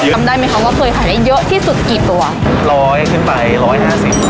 จำได้ไหมคะว่าเคยขายได้เยอะที่สุดกี่ตัวร้อยขึ้นไปร้อยห้าสิบ